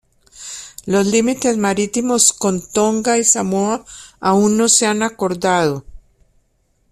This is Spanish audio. Los límites marítimos con Tonga y Samoa aún no se han acordado.